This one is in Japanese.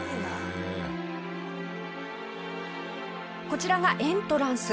こちらがエントランス。